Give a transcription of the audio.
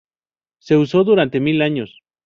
Se usó durante mil años.